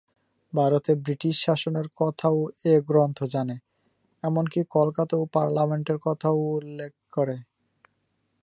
ভারতে ব্রিটিশ শাসনের কথাও এ গ্রন্থ জানে, এমনকি কলকাতা ও পার্লামেন্টের কথাও উল্লেখ করে।